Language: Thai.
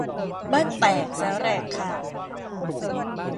บ้านแตกสาแหรกขาด